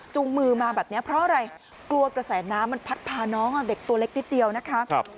มือมาแบบนี้เพราะอะไรกลัวกระแสน้ำมันพัดพาน้องเด็กตัวเล็กนิดเดียวนะคะ